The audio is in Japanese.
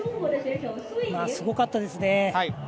すごかったですね。